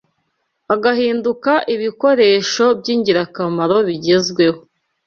agahinduka ibikoresho by’ingirakamaro bigezweho